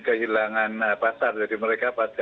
kehilangan pasar jadi mereka pasti